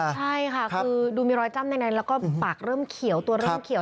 ใช่ค่ะคือดูมีรอยจ้ำในแล้วก็ปากเริ่มเขียวตัวเริ่มเขียว